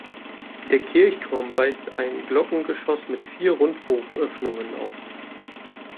Der Kirchturm weist ein Glockengeschoss mit vier Rundbogenöffnungen auf.